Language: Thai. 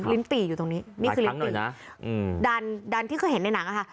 ลิ้นปี่อยู่ตรงนี้นี่คือลิ้นปี่หลายครั้งหน่อยนะอืมดันดันที่เคยเห็นในหนังอะค่ะ